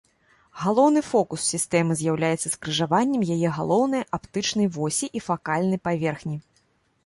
Галоўны фокус сістэмы з'яўляецца скрыжаваннем яе галоўнай аптычнай восі і факальнай паверхні.